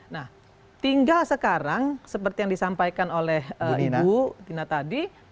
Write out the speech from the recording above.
nah tinggal sekarang seperti yang disampaikan oleh ibu tina tadi